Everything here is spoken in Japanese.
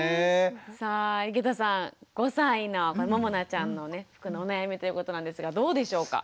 さあ井桁さん５歳のももなちゃんの服のお悩みということなんですがどうでしょうか？